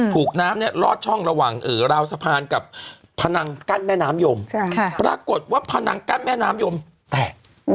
ถูกน้ำเนี่ยลอดช่องระหว่างราวสะพานกับพนังกั้นแม่น้ำยมปรากฏว่าพนังกั้นแม่น้ำยมแตก